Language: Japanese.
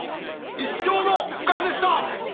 一生の不覚でした！